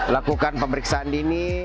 lakukan pemeriksaan dini